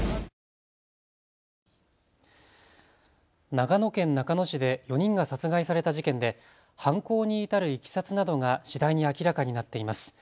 長野県中野市で４人が殺害された事件で犯行に至るいきさつなどが次第に明らかになっています。